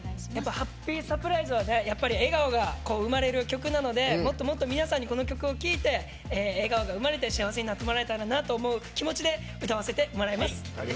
「ハッピーサプライズ」はやっぱり笑顔が生まれる曲なのでもっともっと皆さんにこの曲を聴いて笑顔が生まれて幸せになってもらえたらなという気持ちで歌わせてもらいます。